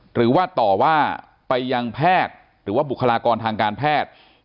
หรือว่าต่อว่าไปยังแพทย์หรือว่าบุคลากรทางการแพทย์